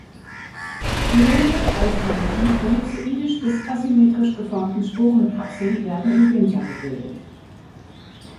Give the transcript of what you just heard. Die länglich eiförmigen, ellipsoidisch bis asymmetrisch geformten Sporenkapseln werden im Winter gebildet.